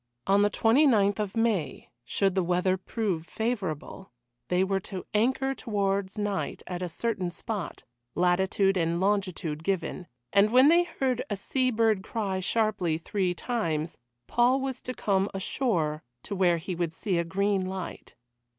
On the 29th of May, should the weather prove favourable, they were to anchor towards night at a certain spot latitude and longitude given and when they heard a sea bird cry sharply three times, Paul was to come ashore to where he would see a green light.